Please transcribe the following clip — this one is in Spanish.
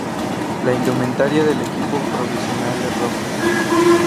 La indumentaria del equipo provincial es roja.